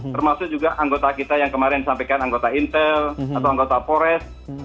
termasuk juga anggota kita yang kemarin sampaikan anggota intel atau anggota pores